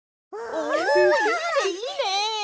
おいいねいいね！